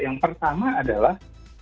yang pertama adalah